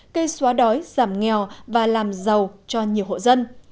cây xóa đói giảm nghèo và làm giàu cho nhiều hộ dân